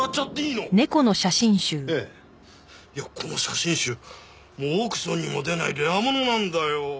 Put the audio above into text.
いやこの写真集もうオークションにも出ないレアものなんだよ。